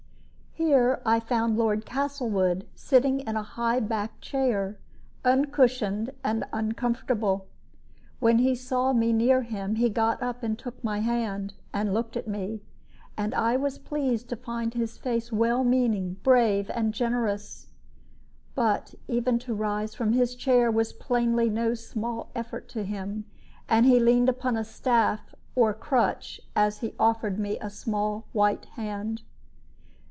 Here I found Lord Castlewood sitting in a high backed chair, uncushioned and uncomfortable. When he saw me near him he got up and took my hand, and looked at me, and I was pleased to find his face well meaning, brave, and generous. But even to rise from his chair was plainly no small effort to him, and he leaned upon a staff or crutch as he offered me a small white hand.